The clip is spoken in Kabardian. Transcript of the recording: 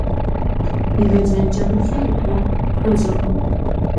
ЛэжьэкӀэмыщӀэ и Ӏуэху хэщӀыркъым.